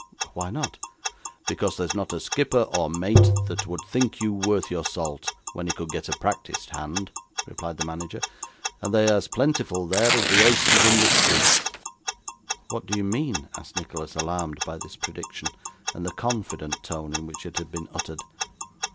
'Why not?' 'Because there's not a skipper or mate that would think you worth your salt, when he could get a practised hand,' replied the manager; 'and they as plentiful there, as the oysters in the streets.' 'What do you mean?' asked Nicholas, alarmed by this prediction, and the confident tone in which it had been uttered.